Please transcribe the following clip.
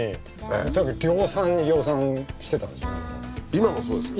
今もそうですよ。